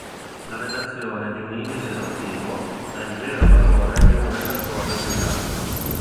La redazione di un indice esaustivo è il vero valore di un repertorio biografico.